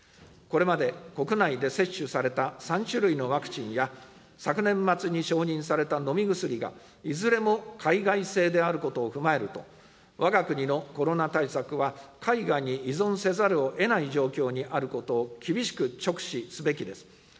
これまで国内で接種された３種類のワクチンや、昨年末に承認された飲み薬がいずれも海外製であることを踏まえると、わが国のコロナ対策は海外に依存せざるをえない状況にあることを厳しく直視すべきです。